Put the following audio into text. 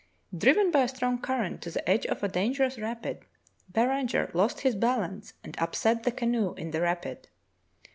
Driven by a strong current to the edge of a danger ous rapid, Beranger lost his balance and upset the canoe in the rapid.